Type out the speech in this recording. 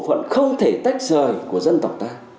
phận không thể tách rời của dân tộc ta